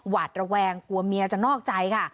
หวาดระแวงกลัวเมียจะนอกใจค่ะ